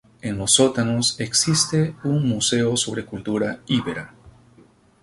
En los sótanos, existe un museo sobre cultura íbera.